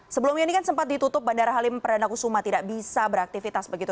sebelumnya ini kan sempat ditutup bandara halim perdana kusuma tidak bisa beraktivitas begitu